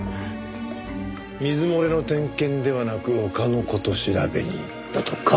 水漏れの点検ではなく他の事調べに行ったとか。